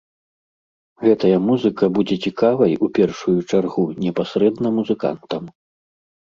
Гэтая музыка будзе цікавай, у першую чаргу, непасрэдна музыкантам.